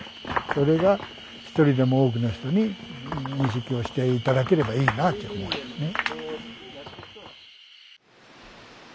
それが一人でも多くの人に意識をして頂ければいいなあって思いますね。